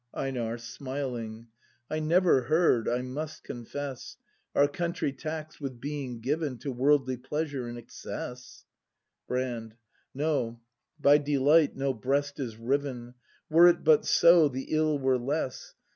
EiNAR. [Smilmg.] I never heard, I must confess. Our country taxed with being given To worldly pleasure in excess! Brand. No, by delight no breast is riven; — Were it but so, the ill were less!